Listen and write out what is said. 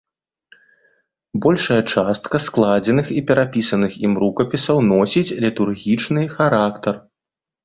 Большая частка складзеных і перапісаных ім рукапісаў носіць літургічны характар.